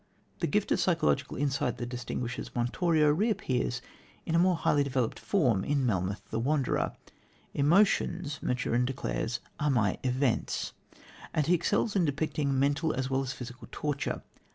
The gift of psychological insight that distinguishes Montorio reappears in a more highly developed form in Melmoth the Wanderer. "Emotions," Maturin declares, "are my events," and he excels in depicting mental as well as physical torture.